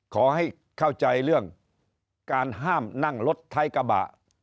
ขอให้เข้าใจเรื่องการห้ามนั่งรถท้ายกระบะ